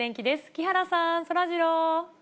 木原さん、そらジロー。